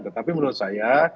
tetapi menurut saya